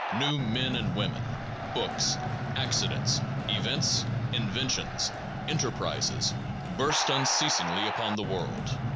New men and women, books, accidents, events, inventions, enterprises, burst unceasingly upon the world.